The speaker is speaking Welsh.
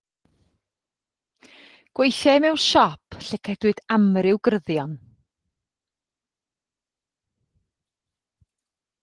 Gweithiai mewn siop lle cedwid amryw gryddion.